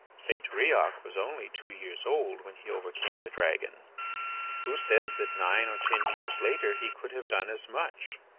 "St. Riok was only two years old when he overcame the dragon. Who says that nine or ten years later he could have done as much?